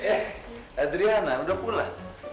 eh adriana udah pulang